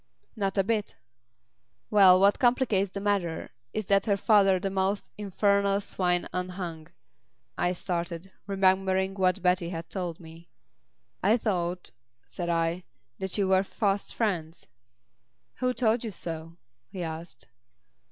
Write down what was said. "Not a bit." "Well what complicates the matter is that her father's the most infernal swine unhung." I started, remembering what Betty had told me. "I thought," said I, "that you were fast friends." "Who told you so?" he asked.